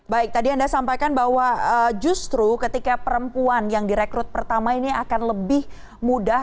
baik tadi anda sampaikan bahwa justru ketika perempuan yang direkrut pertama ini akan lebih mudah